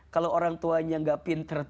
kalau orang tuanya tidak pintar